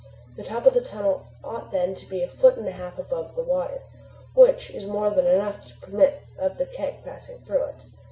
The top of the tunnel ought then to be a foot and a half above water, which is more than enough to permit of the keg passing through it.